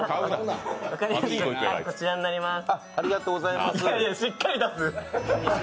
こちらになります。